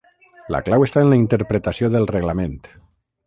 La clau està en la interpretació del reglament.